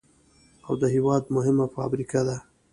او د هېواد مهمه فابريكه ده،